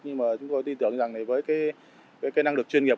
nhưng mà chúng tôi tin tưởng rằng với cái năng lực chuyên nghiệp